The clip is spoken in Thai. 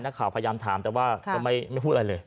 นักข่าวพยายามถามแต่ว่าก็ไม่พูดอะไรเลย